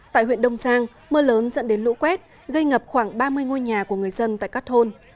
tại huyện đông giang mưa lớn dẫn đến lũ quét gây ngập khoảng ba mươi ngôi nhà của người dân tại các thôn